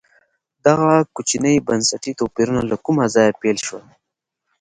دغه کوچني بنسټي توپیرونه له کومه ځایه پیل شول.